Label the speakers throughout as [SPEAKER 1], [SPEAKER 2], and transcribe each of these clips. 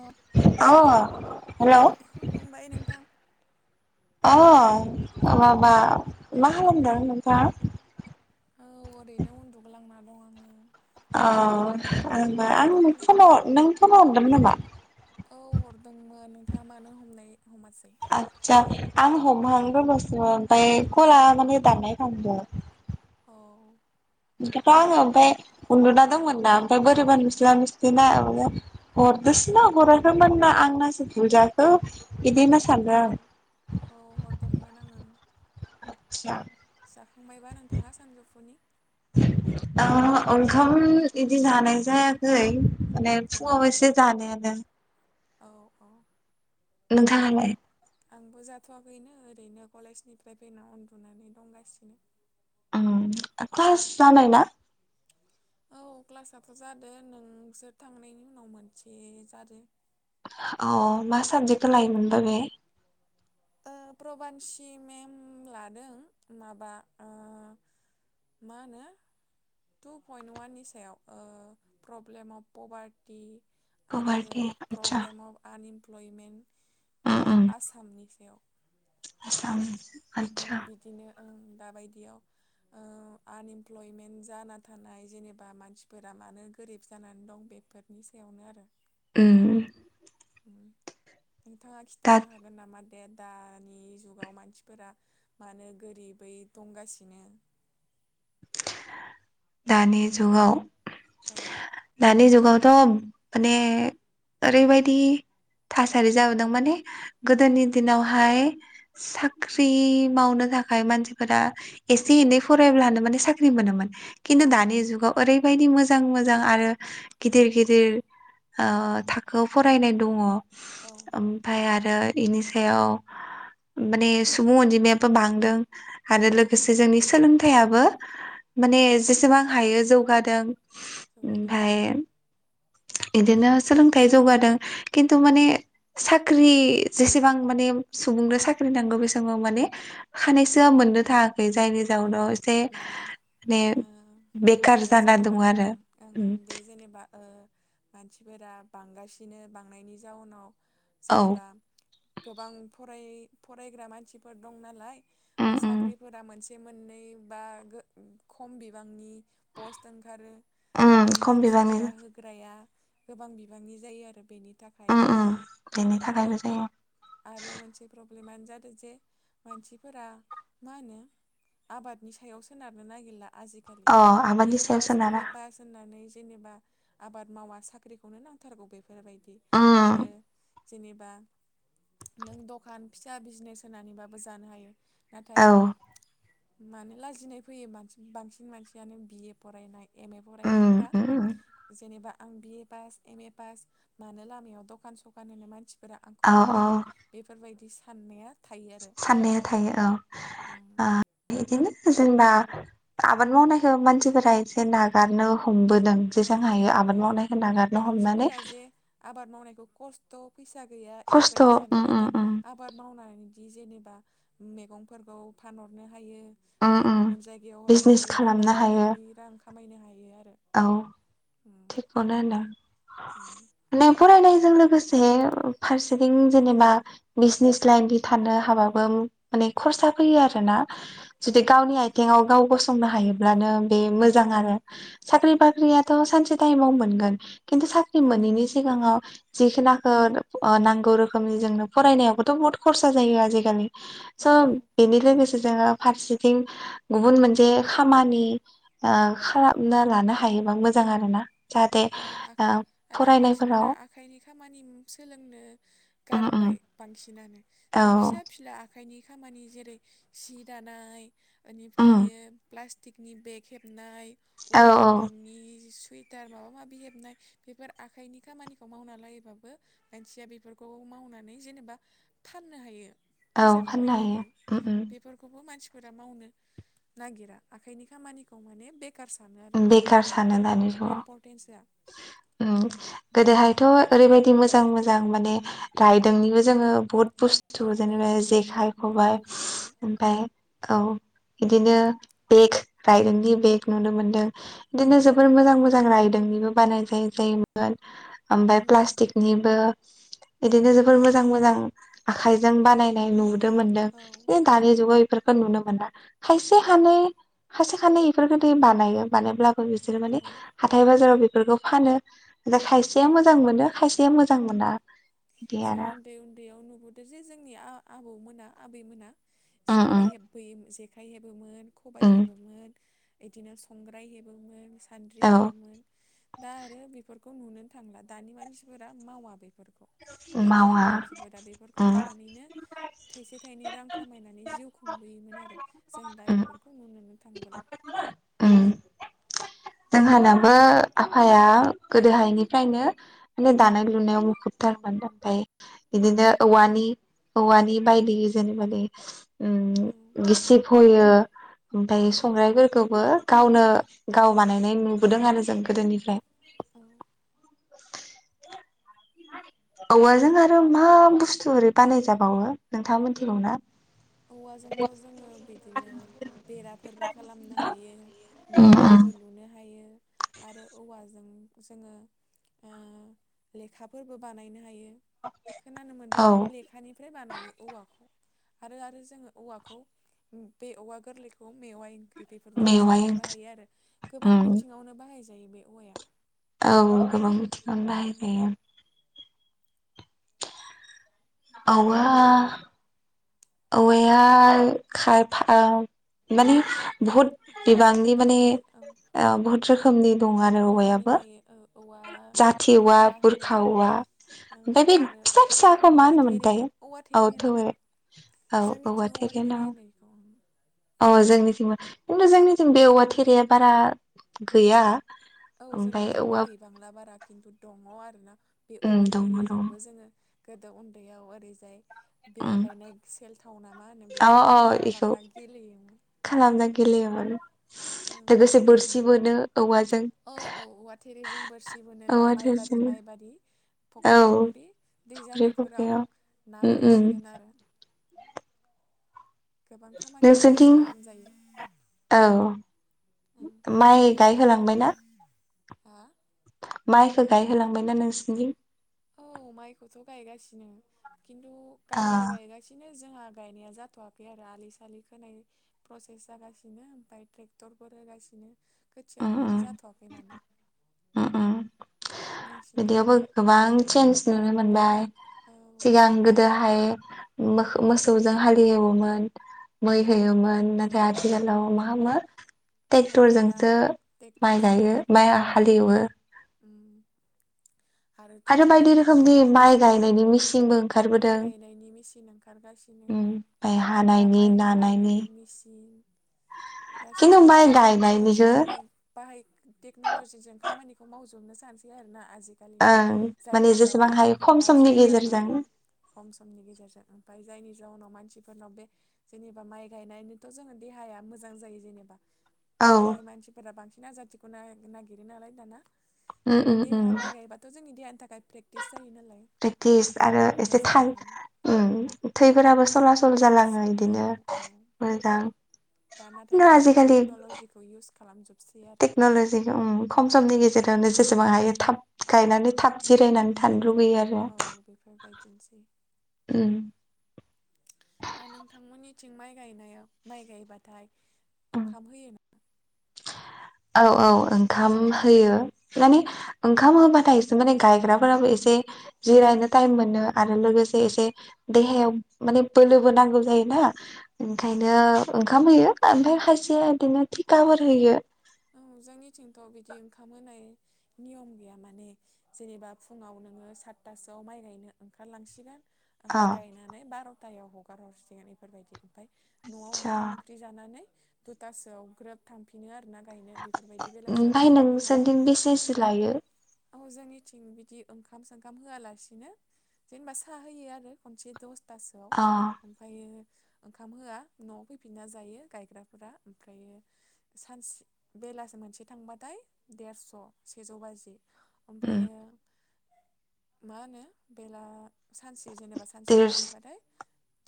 [SPEAKER 1] औ खुलुमबाय नोंथां।
[SPEAKER 2] आ माबा मा खालामदों नोंथां।
[SPEAKER 1] औ ओरैनो उन्दुग्लांना दं आङो।
[SPEAKER 2] अ होमबा आं
[SPEAKER 1] नोंथाङालाय
[SPEAKER 2] फन नों फनाव हरदोंमोन नामा।
[SPEAKER 1] औ हरदोंमोन नोंथाङा मानो हमनाय। हमासै
[SPEAKER 2] आतसा। आं हमहांदोंल'सोमोन ओमफ्राय खला मान दाननाय थानदों।
[SPEAKER 1] औ
[SPEAKER 2] बेखायथ' आं ओमफ्राय उन्दुना दंमोन ना ओमफ्राय बोरैबा मिसला मिस्लिना हरदो। बांसिना हराखैमोन ना आंनासो भुल जाखो बिदिनो सानदों आं।
[SPEAKER 1] औ हरदोंमोन आङो।
[SPEAKER 2] आतसा।
[SPEAKER 1] जाखांबायबा नोंथाङा सानजौफुनि।
[SPEAKER 2] ओंखाम इदि जानाय जायाखै। माने
[SPEAKER 1] औ
[SPEAKER 2] फुङाव एसे जानायानो।
[SPEAKER 1] औ औ
[SPEAKER 2] नोंथाङालाय
[SPEAKER 1] ओरैनो ओरैनो कलेजनिफ्राय फैना उन्दुनानै दंगासिनो।
[SPEAKER 2] क्लास जानाय ना?
[SPEAKER 1] औ क्लासाथ' जादों नोंसोर थांनायनि उनाव मोनसे जादों।
[SPEAKER 2] अ मा साबजेक्टखौ लायोमोन बा बे?
[SPEAKER 1] ओ प्रबान्सि मेम लादों माबा ओ मा होनो टु पइन्ट अवाननि सायाव प्रब्लेम अफ पभारटि आरो
[SPEAKER 2] गुवाहाटि आतसा
[SPEAKER 1] problem of unemployment
[SPEAKER 2] Om
[SPEAKER 1] of
[SPEAKER 2] ओम
[SPEAKER 1] आसामनि। बेयाव
[SPEAKER 2] [unintelligible]
[SPEAKER 1] ओं बिदिनो ओं दाबायदियाव आनइमप्लयमेन्ट जाना थानाय जेनेबा मानसिफोरा मानो गोरिब जानानै दं बे बेफोरनि सायावनो आरो।
[SPEAKER 2] उम
[SPEAKER 1] नोंथाङा खिन्थानो हागोन नामा? दानि जुगाव मानसिफोरा मानो गोरिबै दंगासिनो।
[SPEAKER 2] दानि जुगाव
[SPEAKER 1] औ
[SPEAKER 2] दानि जुगावथ' माने ओरैबायदि थासारि जाबोदों माने गोदोनि दिनावहाय साख्रि मावनो थाखाय मानसिफोरा एसे एनै फरायब्लानो माने साख्रि मोनोमोन खिन्थु
[SPEAKER 1] औ
[SPEAKER 2] दानि जुगाव ओरैबायदि मोजां मोजां आरो गिदिर गिदिर ओ थाखोआव फरायनाय दङ
[SPEAKER 1] औ
[SPEAKER 2] ओमफाय आरो इनि सायाव माने सुबुं अनजिमायाबो बांदों। आरो लोगोसे जोंनि सोलोंथयाबो माने
[SPEAKER 1] औ
[SPEAKER 2] जेसेबां हायो जौगादों
[SPEAKER 1] जौगादों औ
[SPEAKER 2] ओमफाय इदिनो सोलोंथाइ जौगादों खिन्थु माने साख्रि जेसेबां माने सुबुंनो साख्रि नांगौ बे समाव माने
[SPEAKER 1] औ
[SPEAKER 2] खानायसोआ मोननो थाङाखै जायनि
[SPEAKER 1] औ
[SPEAKER 2] जाउनाव एसे
[SPEAKER 1] माने
[SPEAKER 2] माने
[SPEAKER 1] उम बे
[SPEAKER 2] बेखार जाना
[SPEAKER 1] जेनेबा
[SPEAKER 2] दं आरो
[SPEAKER 1] ओं ओं
[SPEAKER 2] उम
[SPEAKER 1] बे जेनेबा ओ मानसिफोरा बांगासिनो बांनायनि जाउनाव
[SPEAKER 2] औ
[SPEAKER 1] जेनेबा गोबां फराय फरायग्रा मानसिफोर दं नालाय
[SPEAKER 2] उम उम
[SPEAKER 1] साख्रिफोरा मोनसे मोननै बा खम बिबांनि पस्ट ओंखारो
[SPEAKER 2] उम
[SPEAKER 1] ओमफाय
[SPEAKER 2] खम बिबांनि
[SPEAKER 1] मानसिफोरा होग्राया गोबां बिबांनि जायो आरो बेनि थाखाय
[SPEAKER 2] उम उम
[SPEAKER 1] बेनि थाखायबो
[SPEAKER 2] जायो
[SPEAKER 1] आरो मोनसे प्र ब्लेमानो जादों जे मानसि फोरा मा होनो आबादनि सायाव सोनारनो नागिरला। आजिखालि B A pass M A pass होननानै जेनेबा आबाद मावा साख्रिखौनो नांथारगौ बेफोरबायदि आरो जेनेबा नों दखान फिसा बिजनेस होनानैबाबो जानो हायो। नाथाय मानो लाजिनाय फैयो बांसि बांसिन मानसियानो बिए फरायनाय एम ए फरायनायफोरा जेनेबा आं B A pass M A pass मानो लामायाव दखान सखान होनो मानसि फोरा आंखौ
[SPEAKER 2] अ आबादनि सायाव सोनारा उम औ उम औ औ
[SPEAKER 1] मिनिगोन बेफोरबायदि साननाया थायो आरो
[SPEAKER 2] साननाया थायो औ
[SPEAKER 1] ओं
[SPEAKER 2] ओ बिदिनो जेनेबा आबाद मावनायखौ मानसिफोरा एसे नागारनो हमबो जों हायो
[SPEAKER 1] हमदों
[SPEAKER 2] आबाद
[SPEAKER 1] ओं
[SPEAKER 2] मावनाय होनना
[SPEAKER 1] मानसिफोरा जे आबाद मावनायखौ खस्थ' फैसा गैया
[SPEAKER 2] खस्थ'
[SPEAKER 1] इफोरबायदिसो
[SPEAKER 2] उम उम
[SPEAKER 1] नाथाय
[SPEAKER 2] उम
[SPEAKER 1] आबा बाद मावनानै दि जेनोबा मैगंफोरखौ फानहरनो हायो।
[SPEAKER 2] उम उम
[SPEAKER 1] गुबुन गुबुन जायगायाव
[SPEAKER 2] बिजनेस
[SPEAKER 1] हरनानै गोबां
[SPEAKER 2] खालामनो हायो
[SPEAKER 1] बिबांनि रां खामायनो हायो आरो
[SPEAKER 2] औ
[SPEAKER 1] उम
[SPEAKER 2] थिगखौनो होनदों।
[SPEAKER 1] उम
[SPEAKER 2] नों फराय नायजों लोगोसे फारसेथिं जेनेबा बिजनेस लाइनथि थानो हाबाबो माने खरसा फैयो आरो ना।
[SPEAKER 1] औ
[SPEAKER 2] जुदि गावनि आथिङाव गाव गसंनो हायोब्लानो बे मोजां आरो। साख्रि
[SPEAKER 1] ओं
[SPEAKER 2] बाख्रियाथ' सानसे टाइमाव मोनगोन खिन्थु साख्रि
[SPEAKER 1] मोनगोन
[SPEAKER 2] मोनैनि सिगाङाव जिखुनाखो ओ नांगौ रोखोमनि जोंनो फरायनायावबोथ' बहुत खरसा जायो आजिखालि
[SPEAKER 1] ओं औ औ
[SPEAKER 2] सब बिनिखाय बेसे जोङो फारसेथिं गुबुन मोनसे खामानि ओ खालाम ना लानो हायोबा मोजां आरो ना जाहाथे
[SPEAKER 1] औ आख
[SPEAKER 2] ओ
[SPEAKER 1] आरो
[SPEAKER 2] फरायनायफोराव
[SPEAKER 1] मानसिफोरा आखाइनि खामानि
[SPEAKER 2] उम उम औ
[SPEAKER 1] जे फिसा फिला आखाइनि खामानि जेरै सि दानाय
[SPEAKER 2] उम
[SPEAKER 1] बेनिफ्रायो पस्टिकनि बेग हेबनाय
[SPEAKER 2] औ
[SPEAKER 1] उल
[SPEAKER 2] औ
[SPEAKER 1] खुन्दुंनि टुइटारनाव माबि हेबनाय बेफोर आखाइनि खामानिखौ मावना लायोबाबो मानसिया बेफोरखौ मावनानै जे नोबा फाननो हायो
[SPEAKER 2] औ
[SPEAKER 1] फैसा
[SPEAKER 2] फाननो
[SPEAKER 1] खामायनो हायो
[SPEAKER 2] उम
[SPEAKER 1] बेफोरखौबो मानसि फोरा मावनो नागिरा आखाइनि खामानिखौ माने बे
[SPEAKER 2] बेखार सानो दानि
[SPEAKER 1] इम्परटेन्स होआ
[SPEAKER 2] जुगाव। उम गोदोहाय थ' ओरैबायदि मोजां मोजां माने रायदोंनिबो जोङो बहुद बुस्तु
[SPEAKER 1] औ
[SPEAKER 2] जेनोबा
[SPEAKER 1] औ
[SPEAKER 2] जेखाय खबबाय
[SPEAKER 1] गफाय
[SPEAKER 2] ओमफाय औ बिदिनो बेग रायदोंनि बेग नुनो मोनदों बिदिनो
[SPEAKER 1] ओं
[SPEAKER 2] जोबोर मोजां मोजां रायदोंनिबो बानायनाय जायो जायोमोन। ओमफ्राय
[SPEAKER 1] उम
[SPEAKER 2] प्लास्टिकनिबो बिदिनो जोबोर मोजां मोजां आखाइजों बानायनाय नु नोमोनदों।
[SPEAKER 1] औ
[SPEAKER 2] ओइ दानि जुगाव बे फोरखौ नुनो मोना। खायसेानै खायसे खानै बेफोरखौ बानायो बानायोब्ला बो बिसोरो माने
[SPEAKER 1] औ
[SPEAKER 2] हाथाय बाजाराव बेफोरखौ फानो। ओमफाय
[SPEAKER 1] औ
[SPEAKER 2] खायसेया मोजां मोनो खायसेया मोजां
[SPEAKER 1] औ
[SPEAKER 2] मोना। बिदि
[SPEAKER 1] जों
[SPEAKER 2] आरो
[SPEAKER 1] उन्दै उन्दैयाव नुबोदों जे जोंनि आ आबौमोना आबैमोना
[SPEAKER 2] उम
[SPEAKER 1] जेखाइ
[SPEAKER 2] उम
[SPEAKER 1] हेबबोयो हेबोमोन खबाइ
[SPEAKER 2] उम
[SPEAKER 1] हेबोमोन बिदिनो संग्राय हेबोमोन सान्द्रि
[SPEAKER 2] औ
[SPEAKER 1] हेबोमोन। दा आरो बेफोरखौ नुनो थांलिया दानि मानसिफोरा मावा बेफोर गोदोनि
[SPEAKER 2] मावा
[SPEAKER 1] मानसिफोरा बेफोरखौ
[SPEAKER 2] उम
[SPEAKER 1] मावनानैनो थाइसे थाइनै रां खामायनानै जिउ खुंबोयोमोन आरो। जों दा
[SPEAKER 2] उम
[SPEAKER 1] बेफोरखौ नुनोनो थांबोला।
[SPEAKER 2] उम।
[SPEAKER 1] उम
[SPEAKER 2] जोंहानाबो आफाया गोदोहायनिफ्रायनो माने
[SPEAKER 1] उम
[SPEAKER 2] दानाय लुनायाव बुहुदथारमोन, दा ओमफ्राय
[SPEAKER 1] औ
[SPEAKER 2] बिदिनो औवानि औवानि बायदि जेनोबा उम
[SPEAKER 1] औ
[SPEAKER 2] गिसिब फयो ओमफ्राय संग्रायफोरखौबो गावनो गाव बानायनाय नुबोदों आरो जों गोदोनिफ्राय।
[SPEAKER 1] औ
[SPEAKER 2] औवाजों आरो मा बुस्थु ओरै बानायजाबावो नोंथाङा मिथिगौ ना?
[SPEAKER 1] औवाजोंथ' जोङो बिदिनो बेराफोरबो खालामनो हायो न'
[SPEAKER 2] उम
[SPEAKER 1] बां बो
[SPEAKER 2] उम
[SPEAKER 1] लुनो हायो आरो औवाजों जोङो ओ लेखाफोरबो बानायनो हायो। खोनानो मोनदों
[SPEAKER 2] औ
[SPEAKER 1] लेखानिफ्राय बानायो औवाखौ आरो आरो जोङो औवाखौ बे औवा गोरलैखौ मेवाइ ओंख्रि बेफोरबायदि
[SPEAKER 2] मेवाइ
[SPEAKER 1] जानोबो
[SPEAKER 2] ओंख्रि
[SPEAKER 1] हायो आरो गोबां
[SPEAKER 2] उम
[SPEAKER 1] बिथिङावनो बाहाय जायो बे औवाया।
[SPEAKER 2] औ गोबां बिथिङावनो बाहाय
[SPEAKER 1] उम
[SPEAKER 2] जायो। औवा औवाया खाइफा माने बुहुत बिबांनि माने
[SPEAKER 1] रोखोमनि ओं
[SPEAKER 2] बुहुत रोखोमनि दं आरो
[SPEAKER 1] रोखोमनि
[SPEAKER 2] औवायाबो
[SPEAKER 1] थायो ओ औवा
[SPEAKER 2] जाथि औवा बुरखा औवा
[SPEAKER 1] औ
[SPEAKER 2] ओमफ्राय बे
[SPEAKER 1] आरो
[SPEAKER 2] फिसा फिसाखौ मा
[SPEAKER 1] औवा
[SPEAKER 2] होनोमोनथाय औ थौये
[SPEAKER 1] जोंनिनिथिं औवा थेरे होनो इखौ।
[SPEAKER 2] अ जोंनिथिंबो खिन्थु जोंनिथिम बे औवा थेरेया बारा गैया।
[SPEAKER 1] औ
[SPEAKER 2] ओमफ्राय
[SPEAKER 1] जोंनिथिंबो
[SPEAKER 2] औवा
[SPEAKER 1] गैबांला बारा खिन्थु दङ आरोना। बे
[SPEAKER 2] उम
[SPEAKER 1] औवा
[SPEAKER 2] दङ दङ
[SPEAKER 1] थेरेजोंबो जोङो गोदो उन्दैयाव ओरैजाय
[SPEAKER 2] उम
[SPEAKER 1] बेरलायनाय सेलथाव नामा होनो
[SPEAKER 2] अ अ
[SPEAKER 1] बेफोरबायदि
[SPEAKER 2] इखौ
[SPEAKER 1] खालामना गेलेयोमोन।
[SPEAKER 2] खालामना
[SPEAKER 1] ओं
[SPEAKER 2] गेलेयोमोन
[SPEAKER 1] ओं
[SPEAKER 2] लोगोसे बोरसि बोनो। औवाजों
[SPEAKER 1] औ औ औवा थेरेजों बोरसि बोनो दा
[SPEAKER 2] औवा
[SPEAKER 1] माइबारि
[SPEAKER 2] थेरजोंनो
[SPEAKER 1] माइबारि। फख्रि
[SPEAKER 2] औ
[SPEAKER 1] फख्रि दै
[SPEAKER 2] फुख्रि
[SPEAKER 1] जानायफोराव
[SPEAKER 2] फुख्रियाव
[SPEAKER 1] ना
[SPEAKER 2] उम उम
[SPEAKER 1] बोनसिगोन आरो। गोबां खामानियाव
[SPEAKER 2] नोंसोरथिं
[SPEAKER 1] इउस खालामजायो।
[SPEAKER 2] औ
[SPEAKER 1] ओं
[SPEAKER 2] माइ गायहोलांबायना?
[SPEAKER 1] हा
[SPEAKER 2] माइखौ गायहोलांबायना नोंसिनिथिं?
[SPEAKER 1] औ माइखौथ गायगासिनो खिन्थु
[SPEAKER 2] आ
[SPEAKER 1] गामियाव गायगासिनो जोंहा गायनाया जाथवाखै आरो आलि सालि खोनाय प्रसेस जागासिनो ओमफ्राय ट्रेक्टर होगासिनो
[SPEAKER 2] उम
[SPEAKER 1] खोथियाखौनो
[SPEAKER 2] उम
[SPEAKER 1] जाथवाखै माने
[SPEAKER 2] उम उम
[SPEAKER 1] नोंसिनिथिंलाय
[SPEAKER 2] बिदियावबो गोबां चेन्ज नुनो मोनबाय
[SPEAKER 1] औ
[SPEAKER 2] सिगां गोदोहाय मोखौ मोसौजों हालेववोमोन मै
[SPEAKER 1] औ औ
[SPEAKER 2] होयोमोन नाथाय
[SPEAKER 1] औ
[SPEAKER 2] आथिखालाव मा मा
[SPEAKER 1] नाथाय दा
[SPEAKER 2] ट्रेक्टरजोंसो माइ
[SPEAKER 1] ट्रेक्टरजों
[SPEAKER 2] गायो
[SPEAKER 1] औ
[SPEAKER 2] माइ हालेवो।
[SPEAKER 1] उम आरोथ'
[SPEAKER 2] आरो
[SPEAKER 1] दा
[SPEAKER 2] बायदि रोखोमनि माइ
[SPEAKER 1] ओं
[SPEAKER 2] गायनायनि मेसिनबो
[SPEAKER 1] माइ गायनायनि मेचिन ओंखारगासिनो
[SPEAKER 2] उम माइ
[SPEAKER 1] दा
[SPEAKER 2] हानायनि
[SPEAKER 1] माइ
[SPEAKER 2] नानायनि
[SPEAKER 1] हानायनिबो मेचिन
[SPEAKER 2] [inaudible] खिन्थु
[SPEAKER 1] गासिबो
[SPEAKER 2] माइ गायनायनिखौ
[SPEAKER 1] टेक्नलजिजोंनि बाहाय टेक्नलजिजों खामानिखौ मावजोबनो सानसै आरोना। आजिखालिनिया
[SPEAKER 2] ओं माने
[SPEAKER 1] जायनि
[SPEAKER 2] जेसेबां
[SPEAKER 1] जाउनाव
[SPEAKER 2] हायो खम समनि
[SPEAKER 1] मानसिफोरा ओं
[SPEAKER 2] गेजेरजों
[SPEAKER 1] खम समनि गेजेरजों ओमफ्राय जायनि जाउनाव मानसिफोरनाव बे जेनेबा माइ गायनानैथ जोङो देहा हाया मोजां जायो जेनेबा
[SPEAKER 2] औ
[SPEAKER 1] ओमफ्राय मानसिफोरा बांसिन आजादिखौ नागिरो नालाय दाना।
[SPEAKER 2] उम उम उम
[SPEAKER 1] देहा माइ गायबाथ जोंनि देहानि थाखाय फ्रेक
[SPEAKER 2] प्रेक्टिस आरो एसे
[SPEAKER 1] मोजां
[SPEAKER 2] थाल
[SPEAKER 1] मोनो
[SPEAKER 2] उम थैफोराबो सला सल जालाङो
[SPEAKER 1] औ
[SPEAKER 2] इदिनो
[SPEAKER 1] औ
[SPEAKER 2] मोजां
[SPEAKER 1] दा नाथाय
[SPEAKER 2] खिन्थु
[SPEAKER 1] गासिबो टेक्नलजिखौ इउस खालामजोब
[SPEAKER 2] टेक्नलजि खम समनि
[SPEAKER 1] उम
[SPEAKER 2] गेजेरावनो जेसेबां हायो थाब
[SPEAKER 1] औ
[SPEAKER 2] गायनानै
[SPEAKER 1] औ
[SPEAKER 2] थाब जिरायनानै थानो लुगैयो आरो।
[SPEAKER 1] औ बेफोरबायदिनोसै।
[SPEAKER 2] उम [inaudible]
[SPEAKER 1] दा नोंथांमोननिथिं माइ गायनायाव माइ गायबाथाय
[SPEAKER 2] उम
[SPEAKER 1] ओंखाम होयो ना
[SPEAKER 2] औ औ ओंखाम होयो माने ओंखाम होबाथायसो माने गायग्राफोराबो एसे से जिरायनो टाइम मोनो आरो लोगोसे एसे देहायाव माने बोलोबो नांगौ जायो। दा ओंखायनो ओंखाम होयो ओमफ्राय खायसेया बिदिनो थिखाफोर
[SPEAKER 1] खिन्थु
[SPEAKER 2] होयो।
[SPEAKER 1] औ
[SPEAKER 2] [inaudible]
[SPEAKER 1] जोंनिथिंथ बिदि ओंखाम होनाय नियम गैया माने जेनेबा फुङाव नोङो सात थासोआव माइ गायनो ओंखारलांसिगोन
[SPEAKER 2] अ
[SPEAKER 1] ओमफाय गायनानै बारथायाव हगार हरसिगोन बेफोरबायदि ओमफाय न'आव
[SPEAKER 2] आदसा
[SPEAKER 1] ओंखाम ओंख्रि जानानै दुथासोआव ग्रोब थांफिनो आरोना। [unintelligible] बेफोरबायदि बेलासेआव
[SPEAKER 2] ओमफ्राय
[SPEAKER 1] थांफिन नांगौबा
[SPEAKER 2] नोंसोरनिथिं बेसेसो लायो
[SPEAKER 1] औ जोंनिथिं बिदि ओंखाम सोंखाम होआलासिनो जेनेबा साहा होयो आरो खनसे दस तासोआव
[SPEAKER 2] अ
[SPEAKER 1] ओमफ्रायो ओंखाम होआ नआव फैफिनना जायो गायग्राफोरा ओमफ्रायो सानसे बेलासि मोनसे थांबाथाय देरस सेजौ बाजि ओमफ्रायो मा होनो बेला सानसे जेनेबा सानसे
[SPEAKER 2] देरस
[SPEAKER 1] गायोबाथाय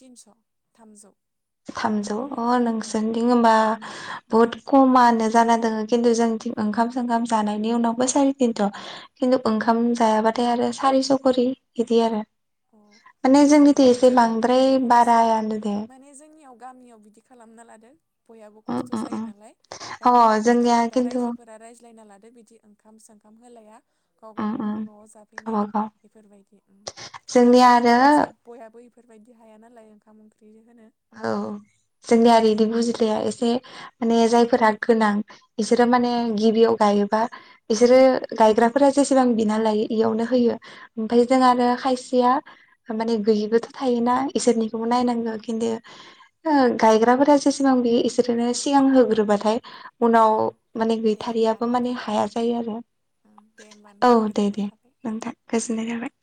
[SPEAKER 1] थिनस थामजौ
[SPEAKER 2] थामजौ अ
[SPEAKER 1] बेफोरबायदि औ
[SPEAKER 2] नोंसोरदि होमबा बुहुत खमानो जाना दङ खिन्थु जोंनिथिं
[SPEAKER 1] औ
[SPEAKER 2] ओंखाम सोंखाम जानाय बिनि उनावबो साराय थिनस' खिन्थु ओंखाम
[SPEAKER 1] औ
[SPEAKER 2] जायाबाथाय आरो सारिस' खरि बिदि आरो।
[SPEAKER 1] अ
[SPEAKER 2] माने जोंनिथि
[SPEAKER 1] जोंनिया
[SPEAKER 2] एसे
[SPEAKER 1] बिदि
[SPEAKER 2] बांद्राय
[SPEAKER 1] ओंखामनि खरस गैया
[SPEAKER 2] बारायानो दे
[SPEAKER 1] माने जोंनियाव गामियाव बिदि खालामना लादों बयाबो खस्थ' जायो नालाय
[SPEAKER 2] अ
[SPEAKER 1] गामिनि
[SPEAKER 2] जोंनिया
[SPEAKER 1] मानसिफोरा
[SPEAKER 2] खिन्थु
[SPEAKER 1] रायजोफोरा रायज्लायना लादो बिदि ओंखाम सों खाम होलाया गाव गावबागाव न'आव जाफैनाय
[SPEAKER 2] गावबागाव
[SPEAKER 1] बेफोरबायदि उम। मानो
[SPEAKER 2] जोंनिया
[SPEAKER 1] होनबा
[SPEAKER 2] आरो
[SPEAKER 1] खरसा बयहाबो इफोरबायदि हाया नालाय ओंखाम ओंख्रि। होनो
[SPEAKER 2] औ जोंनिया ओरै इदि
[SPEAKER 1] उम
[SPEAKER 2] बुजिलाया एसे माने जायफोरा गोनां बिसोरो माने
[SPEAKER 1] उम
[SPEAKER 2] गिबियाव गायोबा बिसोरो
[SPEAKER 1] उम
[SPEAKER 2] गायग्राफोरा जेसेबां बिना लायो इयावनो होयो ओमफाय जों आरो खायस सेया माने गैयैबोथ' थायोना इसोरनिखौबो नायनांगौ खिन्थु ओ गायग्राफोरा जेसेबां बियो इसोरोनो सिगां होगोर
[SPEAKER 1] औ
[SPEAKER 2] रोबाथाय
[SPEAKER 1] औ
[SPEAKER 2] उनाव माने
[SPEAKER 1] दे होमबा
[SPEAKER 2] गैथारियाबो माने
[SPEAKER 1] नोंथां
[SPEAKER 2] हाया जायो आरो।
[SPEAKER 1] दे होमबा नोंथां
[SPEAKER 2] औ दे
[SPEAKER 1] गोजोननाय
[SPEAKER 2] दे
[SPEAKER 1] थाबाय
[SPEAKER 2] नोंथां गोजोन्नाय थाबाय।